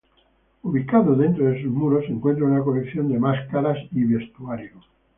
Ubicado dentro de sus muros se encuentra una colección de máscaras sagradas y vestuario.